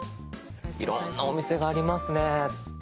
いろんなお店がありますね。